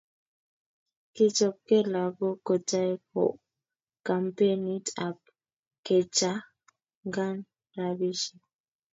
kichopke lokok kotai kampenit ab kechangan rabisiek